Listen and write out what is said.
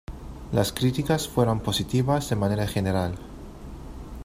Las críticas fueron positivas de manera general.